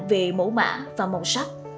về mẫu mã và màu sắc